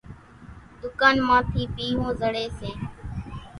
ۮُڪانَ مان ٿِي پيۿون زڙيَ سي۔